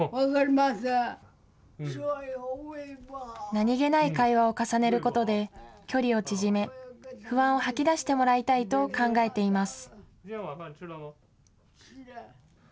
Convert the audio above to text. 何気ない会話を重ねることで、距離を縮め、不安を吐き出してもらいたいと考えています。